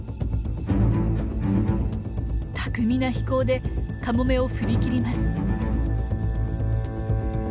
巧みな飛行でカモメを振り切ります。